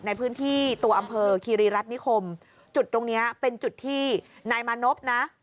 ในพื้นที่ตัวอำเภอคีรีรัฐนิคมจุดตรงเนี้ยเป็นจุดที่นายมานพนะ